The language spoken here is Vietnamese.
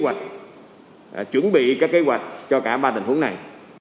chúng tôi đã chuẩn bị các kế hoạch cho cả ba tình huống này